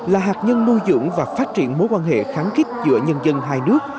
là hạt nhân nuôi dưỡng và phát triển mối quan hệ kháng kích giữa nhân dân hai nước